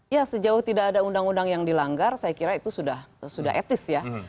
ya sejauh tidak ada undang undang yang dilanggar saya kira itu sudah etis ya